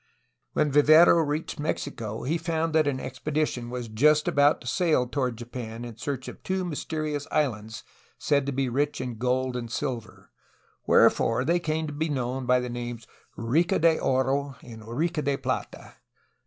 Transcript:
When Vivero reached Mexico he found that an expedition was just about to sail toward Japan in search of two mys terious islands said to be "rich in gold and silver," where fore they came to be known by the names Rica de Oro and Rica de Plata.